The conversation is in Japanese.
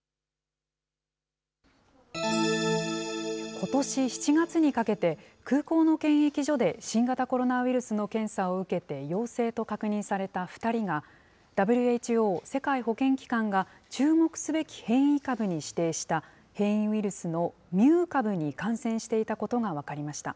ことし７月にかけて、空港の検疫所で新型コロナウイルスの検査を受けて陽性と確認された２人が、ＷＨＯ・世界保健機関が注目すべき変異株に指定した変異ウイルスのミュー株に感染していたことが分かりました。